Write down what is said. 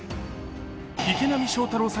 池波正太郎さん